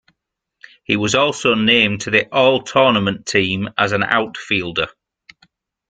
He was also named to the All-Tournament team as an outfielder.